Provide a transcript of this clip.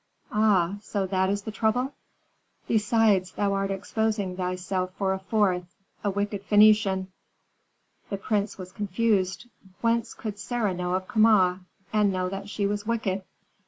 "Ah, so that is the trouble?" "Besides, thou art exposing thyself for a fourth, a wicked Phœnician." The prince was confused. Whence could Sarah know of Kama, and know that she was wicked?